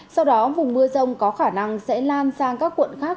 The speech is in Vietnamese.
sau đó vùng mưa rông có khả năng sẽ lan sang các quận khác